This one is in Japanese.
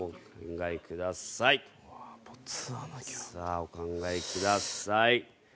さあお考えください。